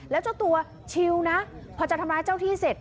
แล้วเจ้าตัวชิวนะพอจะทำร้ายเจ้าที่เสร็จ